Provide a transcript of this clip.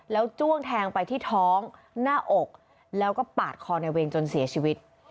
แล้วจ้วงแทงไปที่ท้องหน้าอกแล้วก็ปาดคอในเวงจนเสียชีวิต